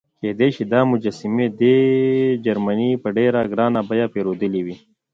کېدای شي دا مجسمې دې جرمني په ډېره ګرانه بیه پیرودلې وي.